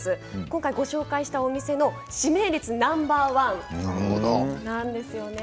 今回ご紹介したお店の指名率ナンバー１なんですよね。